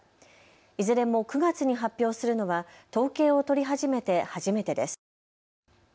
いずれも９月に発表するのは統計を取り始めて、初めてです。